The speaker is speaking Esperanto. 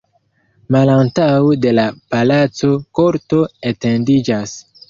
Malantaŭ de la palaco korto etendiĝas.